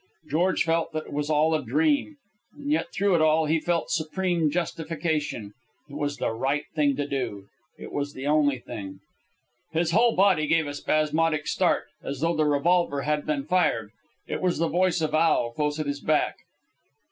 George felt that it was all a dream, and yet through it all he felt supreme justification. It was the right thing to do. It was the only thing. His whole body gave a spasmodic start, as though the revolver had been fired. It was the voice of Al, close at his back.